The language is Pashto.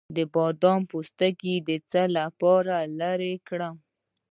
د بادام پوستکی د څه لپاره لرې کړم؟